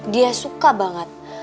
dia suka banget